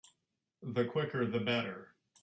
The quicker the better.